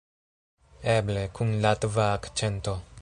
Eble, kun latva akĉento.